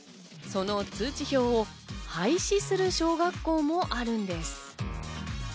その通知表を廃止する小学校もあるんです。